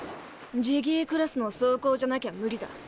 ジギークラスの装甲じゃなきゃ無理だ。